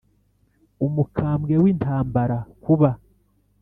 umukambwe wintambara kuba,